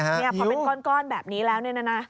นี่พอเป็นก้อนแบบนี้แล้วเนี่ยนะ